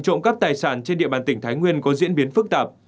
trộm cắp tài sản trên địa bàn tỉnh thái nguyên có diễn biến phức tạp